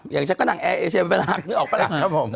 อย่างเช่นก็หนังแอร์แอร์เชฟเป็นหักนึกออกปะแหละ